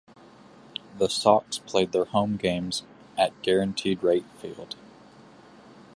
The Sox played their home games at Guaranteed Rate Field.